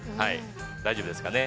大丈夫ですかね。